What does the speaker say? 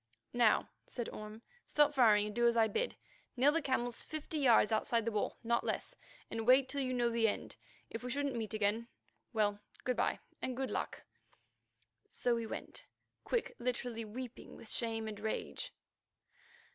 "Now," said Orme, "stop firing and do as I bid you. Kneel the camels fifty yards outside the wall, not less, and wait till you know the end. If we shouldn't meet again, well, good bye and good luck." So we went, Quick literally weeping with shame and rage.